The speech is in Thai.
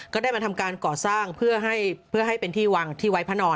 ก็ได้มาทำการก่อสร้างเพื่อให้เป็นที่วางที่ไว้พระนอน